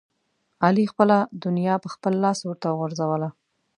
علي خپله دنیا په خپل لاس اورته وغورځوله.